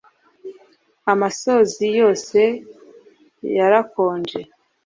Amosozi yose yarakonje